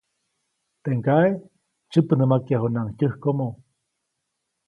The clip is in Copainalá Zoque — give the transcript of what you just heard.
Teʼ ŋgaʼe tsyäpnämakyajunaʼuŋ tyäjkomo.